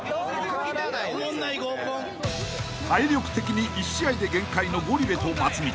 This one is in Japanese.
［体力的に１試合で限界のゴリ部と松道］